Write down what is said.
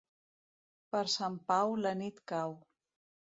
Per Sant Pau la nit cau.